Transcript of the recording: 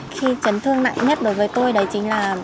khi chấn thương nặng nhất đối với tôi đấy chính là